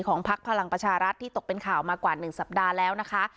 พักพลังประชารัฐที่ตกเป็นข่าวมากว่า๑สัปดาห์แล้วนะคะ